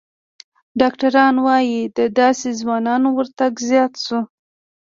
ډاکتران وايي، د داسې ځوانانو ورتګ زیات شوی